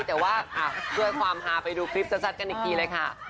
แต่ว่าด้วยความฮาไปดูคลิปชัดกันอีกทีเลยค่ะ